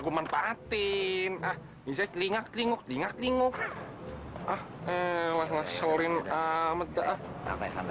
kuman patin ah bisa telinga telinga telinga tinggal ah eh langsung shorin amat ah hal hal